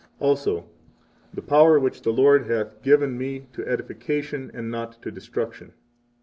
26 Also: The power which the Lord hath given me to edification, and not to destruction.